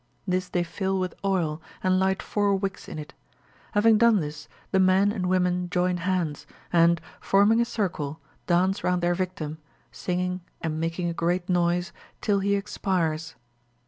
This they fill with oil, and light four wicks in it. Having done this, the men and women join hands, and, forming a circle, dance round their victim, singing and making a great noise, till he expires."